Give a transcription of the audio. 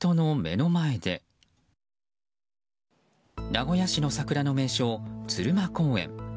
名古屋市の桜の名所鶴舞公園。